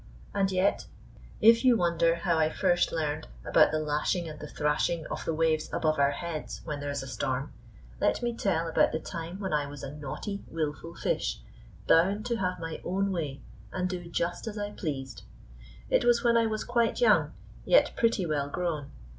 And yet, if you wonder how I first learned about the lashing and the thrashing of the waves above our heads when there is a storm, let me tell about the time when I was a naughty, wilful fish, bound to have my own way and do just as I pleased. It was when I was quite young, yet pretty well grown.